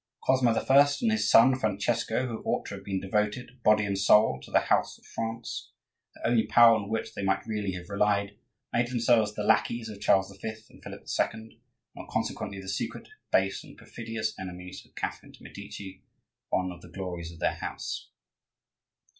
Cosmo the First and his son Francesco, who ought to have been devoted, body and soul, to the house of France, the only power on which they might really have relied, made themselves the lacqueys of Charles V. and Philip II., and were consequently the secret, base, and perfidious enemies of Catherine de' Medici, one of the glories of their house.